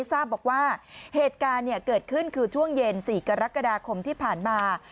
ทราบบอกว่าเหตุการณ์เกิดขึ้นคือช่วงเย็น๔กรกฎาคมที่ผ่านมา